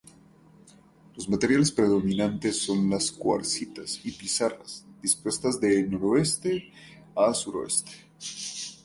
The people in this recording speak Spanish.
Los materiales predominantes son las cuarcitas y pizarras, dispuestas de noroeste a sureste.